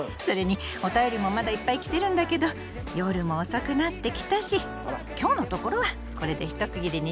それにおたよりもまだいっぱい来てるんだけど夜も遅くなってきたし今日のところはこれで一区切りにしませんか。